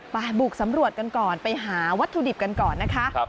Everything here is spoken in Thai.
บุกสำรวจกันก่อนไปหาวัตถุดิบกันก่อนนะคะ